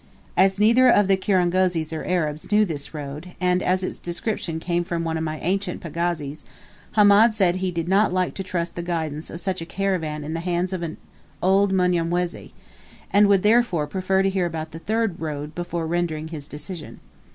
As neither of the kirangozis or Arabs knew this road, and its description came from one of my ancient pagazis, Hamed said he did not like to trust the guidance of such a large caravan in the hands of an old Mnyamwezi, and would therefore prefer to hear about the third road, before rendering his decision.